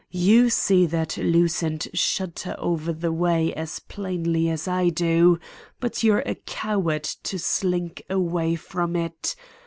You see that loosened shutter over the way as plainly as I do; but you're a coward to slink away from it.